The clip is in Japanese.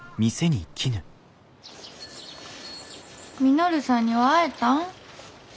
稔さんには会えたん？